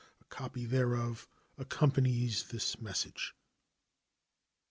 A copy thereof accompanies this message.